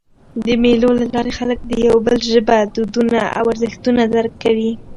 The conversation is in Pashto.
د مېلو له لاري خلک د یو بل ژبه، دودونه او ارزښتونه درک کوي.